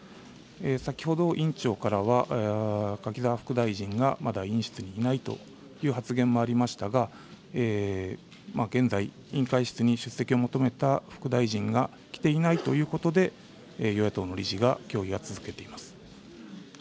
先ほど、委員長からは柿沢副大臣がまだ委員室にいないという発言もありましたが、現在、委員会室に出席を求めた副大臣が来ていないということで、与野党の理事が協議が続けています。